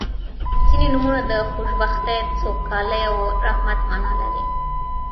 • ځینې نومونه د خوشبختۍ، سوکالۍ او رحمت معنا لري.